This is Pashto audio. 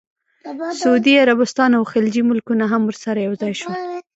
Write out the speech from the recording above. سعودي عربستان او خلیجي ملکونه هم ورسره یوځای شول.